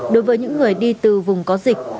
đối với những người đi từ vùng có dịch